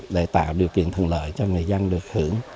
để tạo điều kiện thuận lợi cho người dân được hưởng